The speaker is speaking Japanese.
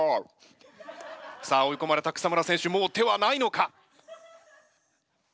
さあ追い込まれた草村選手もう手はないのか？